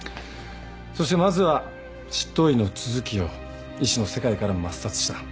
そしてまずは執刀医の都築を医師の世界から抹殺した。